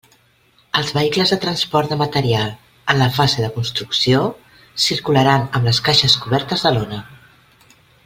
Els vehicles de transport de material, en la fase de construcció, circularan amb les caixes cobertes de lona.